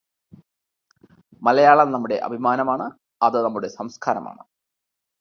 മലയാളം നമ്മുടെ അഭിമാനം ആണ്, അത് നമ്മുടെ സംസ്കാരമാണ്.